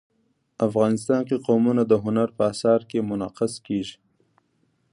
افغانستان کې قومونه د هنر په اثار کې منعکس کېږي.